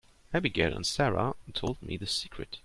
Abigail and Sara told me the secret.